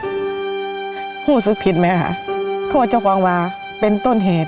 ถ้ายังไม่พูดช่วงผิดไหมโทษเจ้าความว่าเป็นต้นแฮด